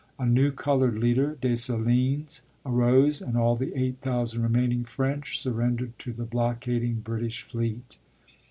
A new colored leader, Dessalines, arose and all the eight thousand remaining French surrendered to the blockading British fleet.